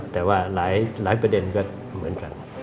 แต่ว่าหลายประเด็นก็เหมือนกัน